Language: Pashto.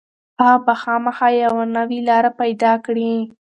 هغه به خامخا یوه نوې لاره پيدا کړي.